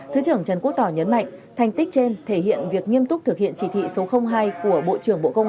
thứ trưởng trần quốc tỏ nhấn mạnh thành tích trên thể hiện việc nghiêm túc thực hiện chỉ thị số hai của bộ trưởng bộ công an